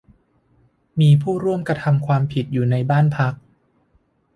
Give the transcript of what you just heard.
มีผู้ร่วมกระทำความผิดอยู่ในบ้านพัก